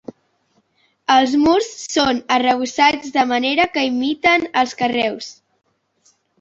Els murs són arrebossats de manera que imiten els carreus.